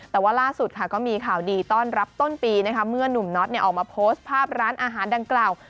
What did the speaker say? แต่ว่าล่าสุดค่ะก็มีข่าวดีต้อนรับต้นปีนะคะเมื่อนุ่มน็อตออกมาโพสต์ภาพร้านอาหารดังกล่าว